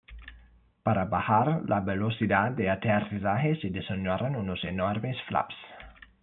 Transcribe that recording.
Para bajar la velocidad de aterrizaje se diseñaron unos enormes flaps.